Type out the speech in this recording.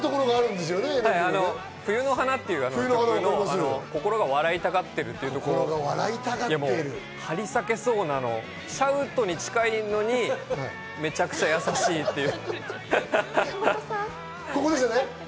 『冬の花』という心が笑いたがってるという、張り裂けそうなのシャウトに近いのにめちゃくちゃ優しいっていう。